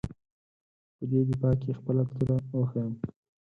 په دې دفاع کې خپله توره وښیيم.